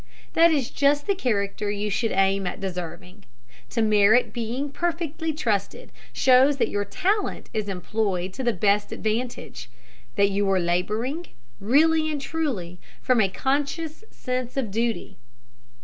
That is just the character you should aim at deserving. To merit being perfectly trusted, shows that your talent is employed to the best advantage that you are labouring, really and truly, from a conscious sense of duty.